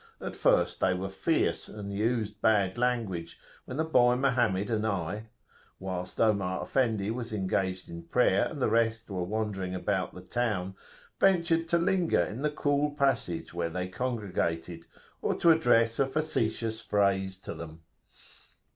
At first they were fierce, and used bad language, when the boy Mohammed and I, whilst Omar Effendi was engaged in prayer, and the rest were wandering about the town, ventured to linger in the cool passage, where they congregated, or to address a facetious phrase to them.